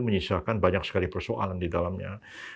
menyisakan banyak sekali persoalan di dalamnya